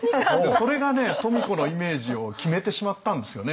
それがね富子のイメージを決めてしまったんですよね